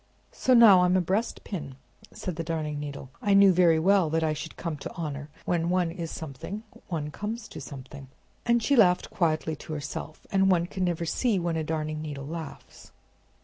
"So, now I'm a breastpin!" said the Darning Needle. "I knew very well that I should come to honor: when one is something, one comes to something!" And she laughed quietly to herself—and one can never see when a darning needle laughs.